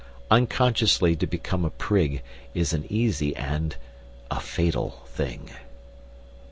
Unconsciously to become a prig is an easy and a fatal thing.